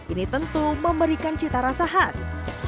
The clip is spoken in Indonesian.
ini tentu memberikan cita rasa khas